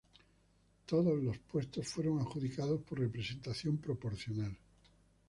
Todos los puestos fueron adjudicados por representación proporcional.